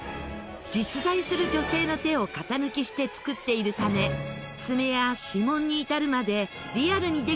実在する女性の手を型抜きして作っているため爪や指紋に至るまでリアルにできているグッズ。